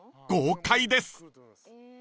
［豪快です］